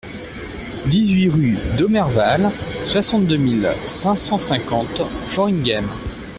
dix-huit rue d'Aumerval, soixante-deux mille cinq cent cinquante Floringhem